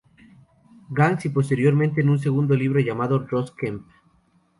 Gangs" y posteriormente en un segundo libro llamado, "Ross Kemp.